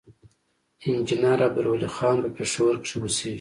انجينير عبدالولي خان پۀ پېښور کښې اوسيږي،